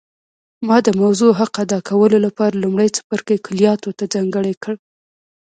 ما د موضوع حق ادا کولو لپاره لومړی څپرکی کلیاتو ته ځانګړی کړ